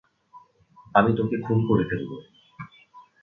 আমি তোকে খুন করে ফেলব।